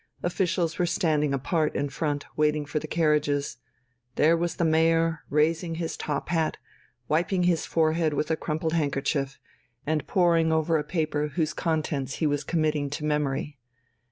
Officials were standing apart in front, waiting for the carriages. There was the mayor, raising his top hat, wiping his forehead with a crumpled handkerchief, and poring over a paper whose contents he was committing to memory.